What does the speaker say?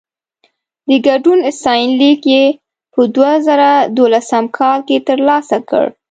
د ګډون ستاینلیک يې په دوه زره دولسم کال کې ترلاسه کړ.